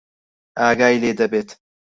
ئاگای لێ دەبێت.